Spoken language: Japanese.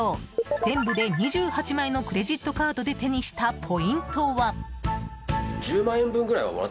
全部で２８枚のクレジットカードで手にしたポイントは。